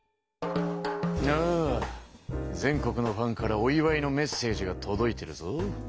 全国のファンからお祝いのメッセージがとどいてるぞ。